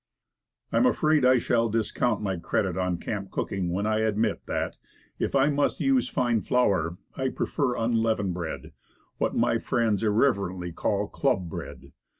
I am afraid I shall discount my credit on camp cooking when I admit that if I must use fine flour I prefer unleavened bread; what my friends irreverently call "club bread."